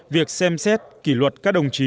việc xem xét kỷ luật các đồng chí